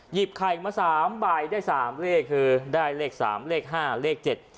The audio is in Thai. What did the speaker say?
ไข่มาสามใบได้สามเลขคือได้เลขสามเลขห้าเลขเจ็ด